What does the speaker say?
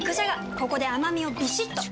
ここで甘みをビシッと！